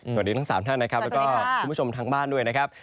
สวัสดีทั้ง๓ท่านนะครับแล้วก็คุณผู้ชมทางบ้านด้วยนะครับ